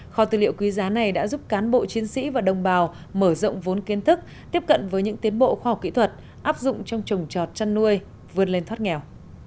kho tư liệu quý giá này đã giúp cán bộ chiến sĩ và đồng bào mở rộng vốn kiến thức tiếp cận với những tiến bộ khoa học kỹ thuật áp dụng trong trồng trọt chăn nuôi vươn lên thoát nghèo